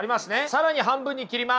更に半分に切ります。